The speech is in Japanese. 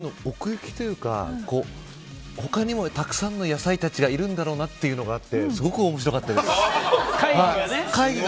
何かどんどん奥行きというか他にもたくさんの野菜たちがいるんだろうなというのがすごく面白かったです。